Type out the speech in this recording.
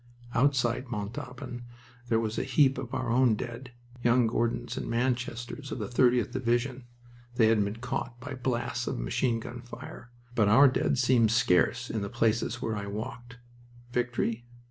Outside Montauban there was a heap of our own dead. Young Gordons and Manchesters of the 30th Division, they had been caught by blasts of machinegun fire, but our dead seemed scarce in the places where I walked. Victory?